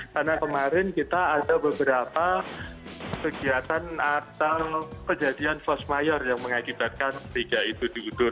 karena kemarin kita ada beberapa kegiatan atau kejadian vosmayor yang mengakibatkan liga itu diutur